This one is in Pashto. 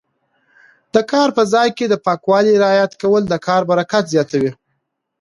د کار په ځای کې د پاکوالي رعایت کول د کار برکت زیاتوي.